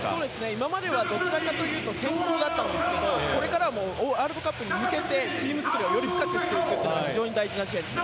今まではどちらかというと選考だったんですがこれからはワールドカップに向けてチーム作りをより深くしていくことが大事です。